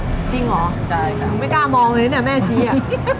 จริงหรอใช่ค่ะหนูไม่กล้ามองเลยนะแม่ชี้อ่ะ